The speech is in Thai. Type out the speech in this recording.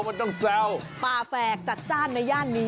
ปลาแฝกจัดจ้านในย่านนี้